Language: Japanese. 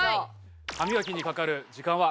歯磨きにかかる時間は？